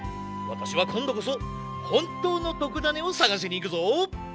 わたしはこんどこそほんとうのとくダネをさがしにいくぞ。